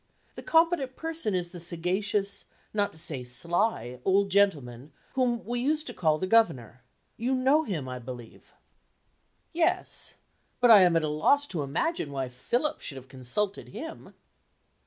The competent person is the sagacious (not to say sly) old gentleman whom we used to call the Governor. You know him, I believe?" "Yes. But I am at a loss to imagine why Philip should have consulted him."